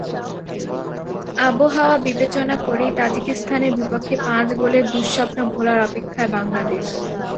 আবহাওয়া বিবেচনা করেই তাজিকিস্তানের বিপক্ষে পাঁচ গোলের দুঃস্বপ্ন ভোলার অপেক্ষায় বাংলাদেশ।